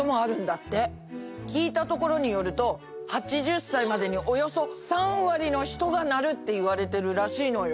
聞いたところによると８０歳までにおよそ３割の人がなるっていわれてるらしいのよ。